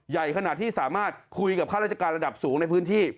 ใหญ่ขนาดที่สามารถคุยกับข้าราชการระดับสูงในพื้นที่